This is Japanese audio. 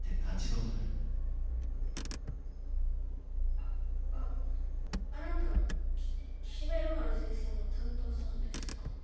あああなたき岸辺露伴先生の担当さんですか？